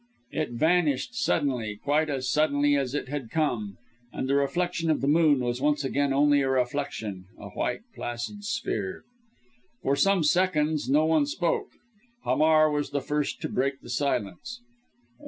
It vanished suddenly, quite as suddenly as it had come; and the reflection of the moon was once again only a reflection a white, placid sphere. For some seconds no one spoke. Hamar was the first to break the silence.